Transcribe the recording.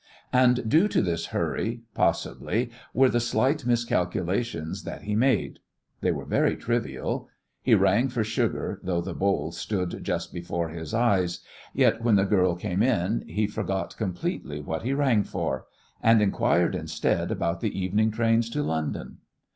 And, due to this hurry, possibly, were the slight miscalculations that he made. They were very trivial. He rang for sugar, though the bowl stood just before his eyes, yet when the girl came in he forgot completely what he rang for and inquired instead about the evening trains to London.